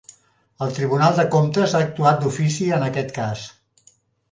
El Tribunal de Comptes ha actuat d'ofici en aquest cas